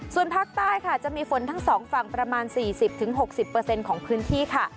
ส่วนภาคใต้ค่ะจะมีฝนทั้ง๒ฝั่งประมาณ๔๐๖๐ของพื้นที่ค่ะ